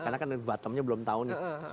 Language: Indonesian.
karena kan bottomnya belum tahun ya